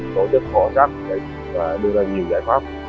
tổ chức khảo sát và đưa ra nhiều giải pháp